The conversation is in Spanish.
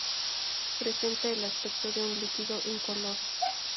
Presenta el aspecto de un líquido incoloro.